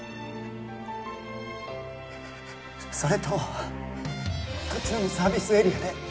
それと途中のサービスエリアで